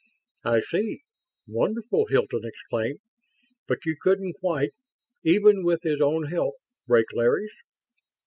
"I see. Wonderful!" Hilton exclaimed. "But you couldn't quite even with his own help break Larry's?"